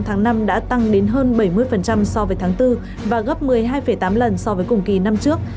tháng năm đã tăng đến hơn bảy mươi so với tháng bốn và gấp một mươi hai tám lần so với cùng kỳ năm trước